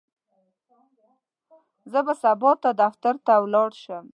زه به سبا دفتر ته ولاړ شم.